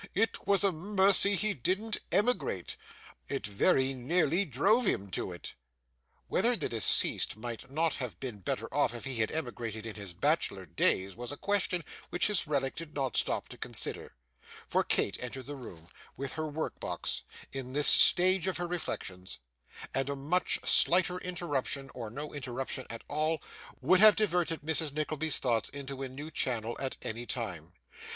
It was a mercy he didn't emigrate. It very nearly drove him to it.' Whether the deceased might not have been better off if he had emigrated in his bachelor days, was a question which his relict did not stop to consider; for Kate entered the room, with her workbox, in this stage of her reflections; and a much slighter interruption, or no interruption at all, would have diverted Mrs. Nickleby's thoughts into a new channel at any time.